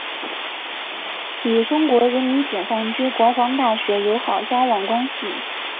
与中国人民解放军国防大学友好交往关系。